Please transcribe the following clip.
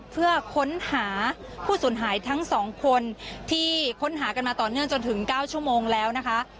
เพื่อค้นหาผู้สูญหายทั้ง๒คนที่ค้นหากันมาต่อเนื่องจนถึง๙ชั่วโมงแล้วนะคะ